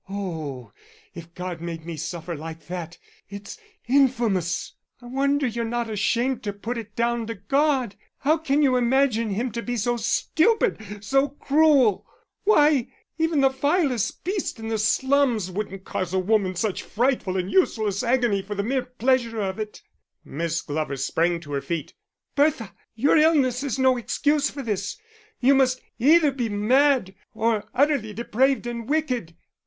Oh, if God made me suffer like that, it's infamous. I wonder you're not ashamed to put it down to God. How can you imagine Him to be so stupid, so cruel! Why, even the vilest beast in the slums wouldn't cause a woman such frightful and useless agony for the mere pleasure of it." Miss Glover sprang to her feet. "Bertha, your illness is no excuse for this. You must either be mad, or utterly depraved and wicked."